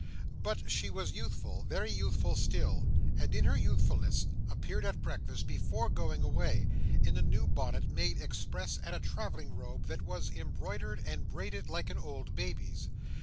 But she was youthful, very youthful still; and in her youthfulness appeared at breakfast, before going away, in a new bonnet made express, and a travelling robe that was embroidered and braided like an old baby's.